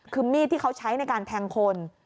คือมีดที่เขาใช้ในการแทงคน